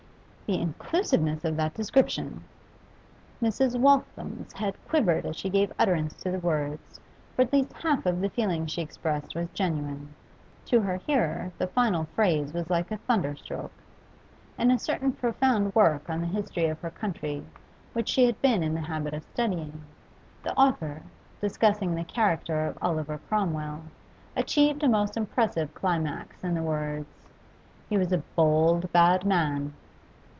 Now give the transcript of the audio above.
The inclusiveness of that description! Mrs. Waltham's head quivered as she gave utterance to the words, for at least half of the feeling she expressed was genuine. To her hearer the final phrase was like a thunderstroke. In a certain profound work on the history of her country which she had been in the habit of studying, the author, discussing the character of Oliver Cromwell, achieved a most impressive climax in the words, 'He was a bold, bad man.